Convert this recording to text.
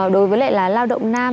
đối với lại là lao động nam